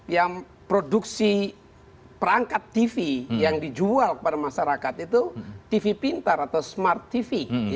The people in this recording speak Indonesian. yang produksi perangkat tv yang dijual kepada masyarakat itu tv pintar atau smart tv